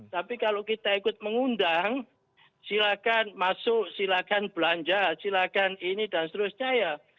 tapi kalau kita ikut mengundang silakan masuk silakan belanja silakan ini dan seterusnya ya